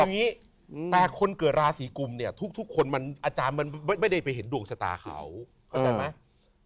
อย่างนี้แต่คนเกิดราศีกุมเนี่ยทุกคนมันอาจารย์มันไม่ได้ไปเห็นดวงชะตาเขาเข้าใจไหม